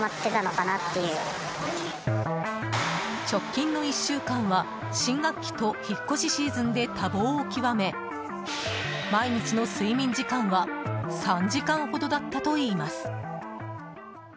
直近の１週間は新学期と引っ越しシーズンで多忙を極め、毎日の睡眠時間は３時間ほどだったといいます。